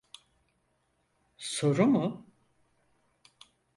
Soru mu?